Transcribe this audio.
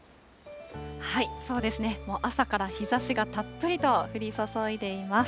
そうですね、朝から日ざしがたっぷりと降り注いでいます。